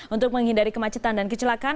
untuk menghindari kemacetan dan kecelakaan